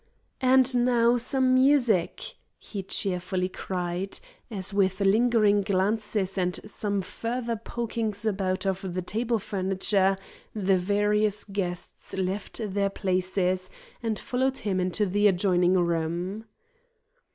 "And now, some music!" he cheerfully cried, as with lingering glances and some further pokings about of the table furniture, the various guests left their places and followed him into the adjoining room.